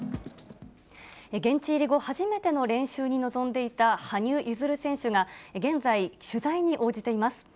現地入り後初めての練習に臨んでいた羽生結弦選手が、現在、取材に応じています。